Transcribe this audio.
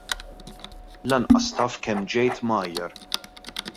Lanqas taf kemm ġejt mgħajjar!